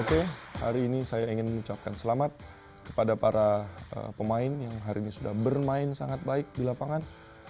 oke hari ini saya ingin mengucapkan selamat kepada para pemain yang hari ini sudah bermain sangat baik di lapangan